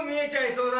そうだ。